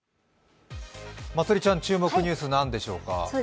まつりちゃん、注目のニュースは何でしょうか。